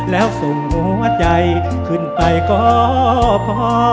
แล้วสุ่มหัวใจขึ้นไปก็พอ